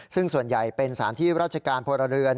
ซึ่งส่วนใหญ่เป็นสถานที่ราชการพลเรือน